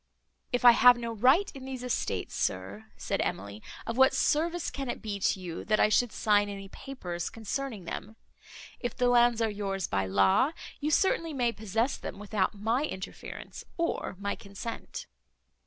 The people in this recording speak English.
"If I have no right in these estates, sir," said Emily, "of what service can it be to you, that I should sign any papers, concerning them? If the lands are yours by law, you certainly may possess them, without my interference, or my consent."